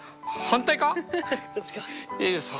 反対か。